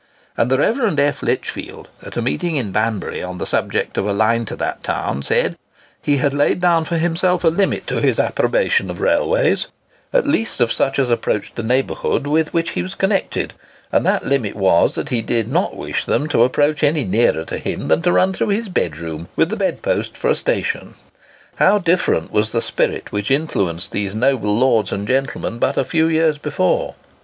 And the Rev. F. Litchfield, at a meeting in Banbury, on the subject of a line to that town, said "He had laid down for himself a limit to his approbation of railways,—at least of such as approached the neighbourhood with which he was connected,—and that limit was, that he did not wish them to approach any nearer to him than to run through his bedroom, with the bedposts for a station!" How different was the spirit which influenced these noble lords and gentlemen but a few years before!